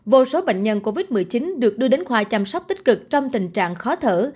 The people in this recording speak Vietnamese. vô số bệnh nhân covid một mươi chín được đưa đến khoa chăm sóc tích cực trong tình trạng khó thở